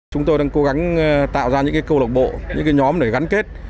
chúng tôi đang cố gắng tạo ra những cơ lộc bộ những nhóm để gắn kết